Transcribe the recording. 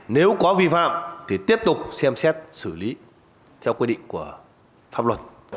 nếu có vi phạm thì tiếp tục xem xét xử lý theo quy định của pháp luật